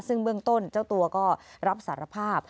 ซึ่งเบื้องต้นเจ้าตัวก็รับสารภาพ